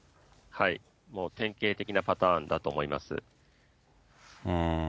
もう典型的なパターンだと思います。